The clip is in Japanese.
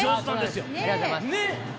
ありがとうございます。